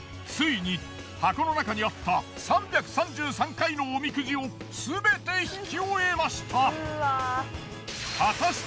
ついに箱の中にあった３３３回のおみくじをすべて引き終えました。